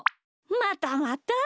またまた。